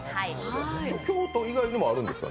京都以外にもあるんですか？